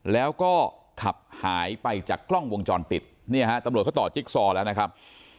แล้วก็ขับหายไปจากกล้องวงจรปิดเนี่ยฮะตำรวจเขาต่อจิ๊กซอแล้วนะครับ